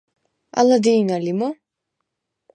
ალა დი̄ნა ლი მო̄?